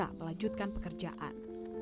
sampai segera melanjutkan pekerjaan